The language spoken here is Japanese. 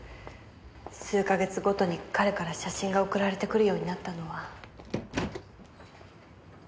数か月ごとに彼から写真が送られてくるようになったのは。